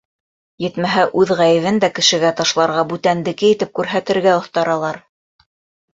Етмәһә, үҙ ғәйебен дә кешегә ташларға, бүтәндеке итеп күрһәтергә оҫтаралар.